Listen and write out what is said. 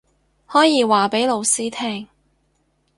可以話畀老師聽